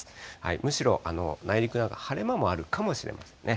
むしろ内陸など、晴れ間もあるかもしれませんね。